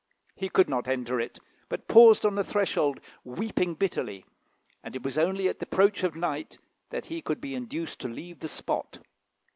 He could not enter it, but paused on the threshold, weeping bitterly; and it was only at the approach of night that he could be induced to leave the spot."